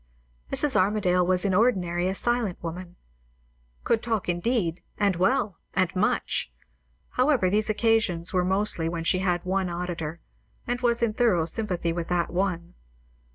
Mrs. Armadale was in ordinary a silent woman; could talk indeed, and well, and much; however, these occasions were mostly when she had one auditor, and was in thorough sympathy with that one.